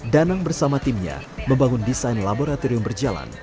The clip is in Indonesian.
danang bersama timnya membangun desain laboratorium berjalan